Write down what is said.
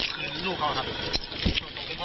คำให้การในกอล์ฟนี่คือคำให้การในกอล์ฟนี่คือ